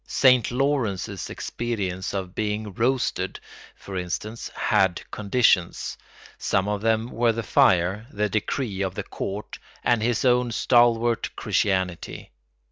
Saint Lawrence's experience of being roasted, for instance, had conditions; some of them were the fire, the decree of the court, and his own stalwart Christianity.